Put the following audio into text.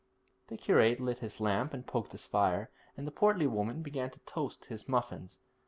"' The curate lit his lamp and poked his fire, and the portly woman began to toast his muffins.